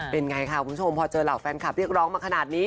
เป็นไงค่ะคุณผู้ชมพอเจอเหล่าแฟนคลับเรียกร้องมาขนาดนี้